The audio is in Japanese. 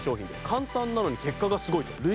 簡単なのに結果がすごいと。